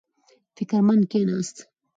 فکر مند کېناست.